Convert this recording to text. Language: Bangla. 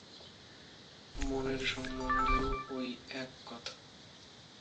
মনের সম্বন্ধেও ঐ এক কথা।